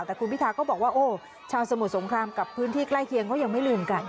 แต่คุณพิทาก็บอกว่าโอ้ชาวสมุทรสงครามกับพื้นที่ใกล้เคียงเขายังไม่ลืมกัน